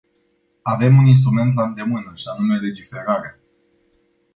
Avem un instrument la îndemână, și anume legiferarea.